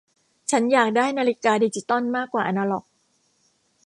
ฉันอยากได้นาฬิกาดิจิตอลมากกว่าอนาล็อก